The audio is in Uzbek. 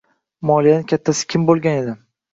moliyani "kattasi" kim bo‘lgan edi?